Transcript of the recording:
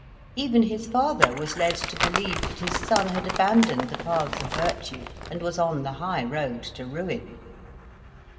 Even his father was led to believe that his son had abandoned the paths of virtue, and was on the high road to ruin.